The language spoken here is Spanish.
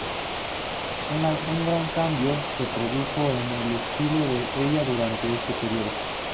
Un gran cambio se produjo en el estilo de Ella durante este período.